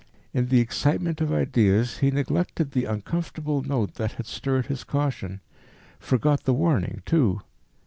In the excitement of ideas he neglected the uncomfortable note that had stirred his caution, forgot the warning too.